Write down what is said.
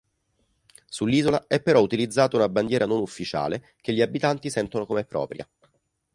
Sull'isola è però utilizzata una bandiera non ufficiale, che gli abitanti sentono come propria.